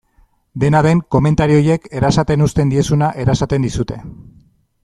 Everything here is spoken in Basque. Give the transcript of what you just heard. Dena den, komentario horiek erasaten uzten diezuna erasaten dizute.